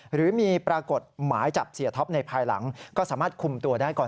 หรือมีปรากฏหมายจับเสียท็อปในภายหลังก็สามารถคุมตัวได้ก่อน